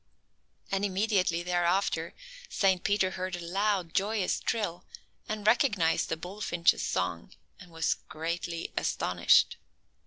And immediately thereafter Saint Peter heard a loud, joyous trill, and recognized a bullfinch's song, and was greatly astonished.